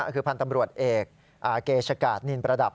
คือพันธ์ตำรวจเอกเกชกาศนินประดับ